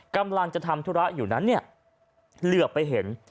กำลังจะทำธุระอยู่นั้นเนี่ยเหลือไปเห็น